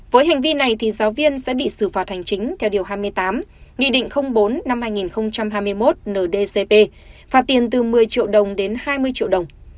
với hành vi này thì giáo viên sẽ bị xử phạt hành chính theo điều hai mươi tám nghị định bốn năm hai nghìn hai mươi một ndcp phạt tiền từ một mươi triệu đồng đến hai mươi triệu đồng